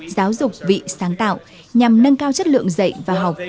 giáo dục vị sáng tạo nhằm nâng cao chất lượng dạy và học